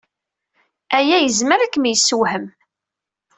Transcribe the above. Aya yezmer ad kem-yessewhem.